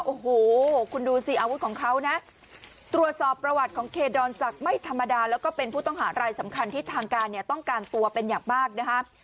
โอ้โหคุณดูสิอาวุธของเขานะตรวจสอบประวัติของเคดอนศักดิ์ไม่ธรรมดาแล้วก็เป็นผู้ต้องหารายสำคัญที่ทางการเนี่ยต้องการตัวเป็นอย่างมากนะคะ